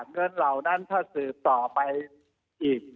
เหล่านั้นถ้าสืบต่อไปอีก